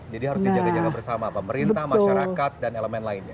jadi harus dijaga jaga bersama pemerintah masyarakat dan elemen lainnya